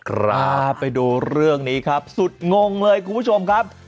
ครับไปดูเรื่องนี้ครับสุดงงเลยคุณผู้ชมครับ